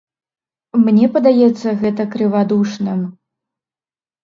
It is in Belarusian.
Мне падаецца гэта крывадушным.